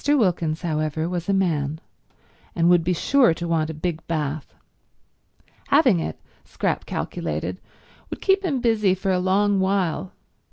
Wilkins, however, was a man, and would be sure to want a big bath. Having it, Scrap calculated, would keep him busy for a long while.